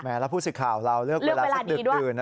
แล้วผู้สื่อข่าวเราเลือกเวลาสักดึกดื่น